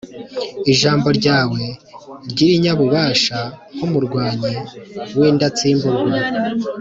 ijambo ryawe ry’irinyabubasha nk’umurwanyi w’indatsimburwa,